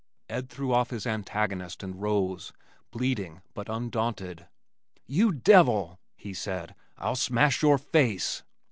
Ed threw off his antagonist and rose, bleeding but undaunted. "You devil," he said, "I'll smash your face."